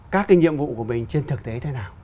các cái nhiệm vụ của mình trên thực tế thế nào